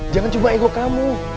jangan cuma ego kamu